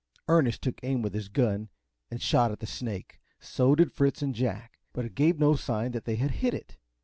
Ernest took aim with his gun, and shot at the snake, so did Fritz and Jack, but it gave no sign that they had hit it.